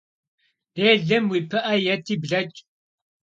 Dêlem vui pı'e yêti bleç'.